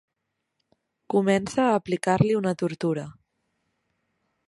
Comença a aplicar-li una tortura.